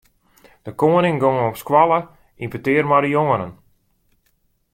De koaning gong op de skoalle yn petear mei de jongeren.